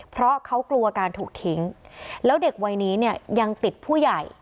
เพราะเขากลัวการถูกทิ้งแล้วเด็กวัยนี้เนี่ยยังติดผู้ใหญ่